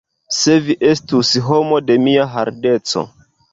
Se vi estus homo de mia hardeco!